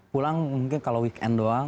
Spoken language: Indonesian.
pulang mungkin kalau weekend doang